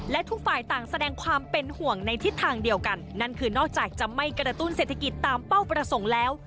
และทุกฝ่ายต่างแสดงความเป็นห่วงในทิศทางเดียวกันนั่นคือนอกจากจะไม่กระตุ้นเศรษฐกิจตามเป้าประสงค์แล้ว